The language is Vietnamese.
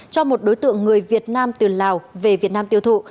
cho một đối tượng người việt nam từ lào về việt nam tiêu thụ